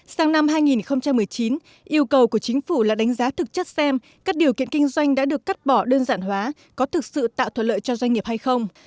sang năm hai nghìn một mươi chín yêu cầu của chính phủ là đánh giá thực chất xem các điều kiện kinh doanh đã được cắt bỏ đơn giản hóa có thực sự tạo thuận lợi cho doanh nghiệp hay không